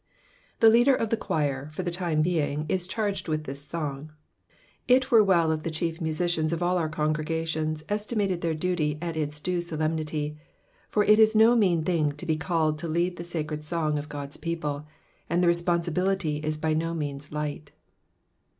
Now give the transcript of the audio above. The leader of the choir, for the time bdng, is charged with this song, R were ujdl if the cfuef musicians of all our congregations estimated thdr duty at Us due solemnity, for U is no mean thing to be caUed to lead the sacred song cf Ood's people, and the responsibility is by no means light.